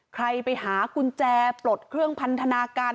ใครไปหากุญแจปลดเครื่องพันธนาการ